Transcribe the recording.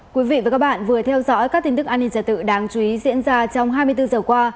quý vị và các bạn vừa theo dõi các tin tức an ninh trật tự đáng chú ý diễn ra trong hai mươi bốn giờ qua